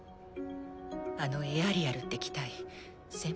あのエアリアルって機体先輩